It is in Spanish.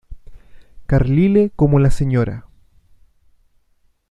Carlyle como la Sra.